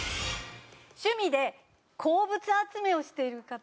趣味で鉱物集めをしている方。